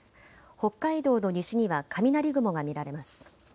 北海道の西には雷雲が見られます。